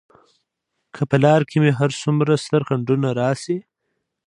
که په لار کې مې هر څومره ستر خنډونه راشي.